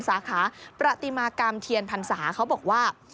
สาขาประติมากรรมเทียนพรรษาเขาบอกว่า